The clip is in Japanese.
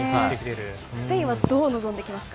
スペインはどう臨んできますか。